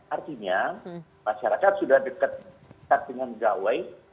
artinya masyarakat sudah dekat dengan gawai